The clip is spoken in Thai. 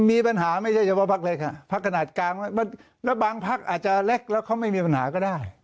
มีปัญหาไม่ใช่เฉพาะพักเล็กค่ะพักขนาดกลางแล้วบางพักอาจจะเล็กแล้วเขาไม่มีปัญหาก็ได้